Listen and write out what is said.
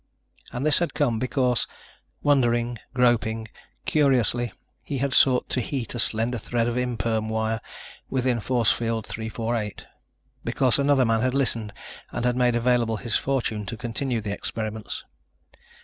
And this had come because, wondering, groping, curiously, he had sought to heat a slender thread of imperm wire within Force Field 348, because another man had listened and had made available his fortune to continue the experiments.